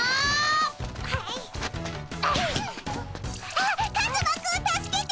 あっカズマくん助けて！